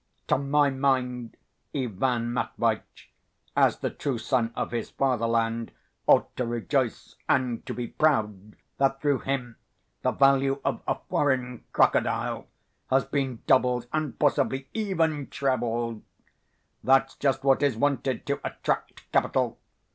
To my mind, Ivan Matveitch, as the true son of his fatherland, ought to rejoice and to be proud that through him the value of a foreign crocodile has been doubled and possibly even trebled. That's just what is wanted to attract capital.